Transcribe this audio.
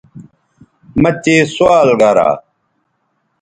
مہ تے سوال گرا